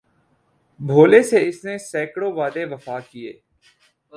بھولے سے اس نے سیکڑوں وعدے وفا کیے